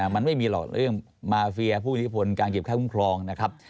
มันไม่มีหรอกเรื่องมาเฟียผู้อิทธิพลการเก็บค่าคุ้มครองนะครับ